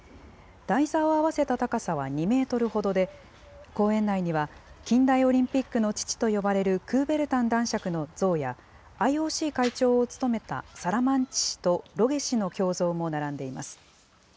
台座を合わせた高さは２メートルほどで、公園内には、近代オリンピックの父と呼ばれるクーベルタン男爵の像や、ＩＯＣ会長を務めたサマランチ氏とロゲ氏の胸像も並んでいます。